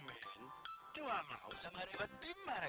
amin itu aku mau sama rebat tim ya